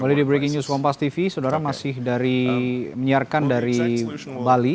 kembali di breaking news kompas tv saudara masih dari menyiarkan dari bali